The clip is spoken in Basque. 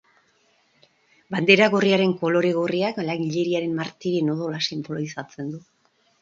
Bandera gorriaren kolore gorriak langileriaren martirien odola sinbolizatzen du.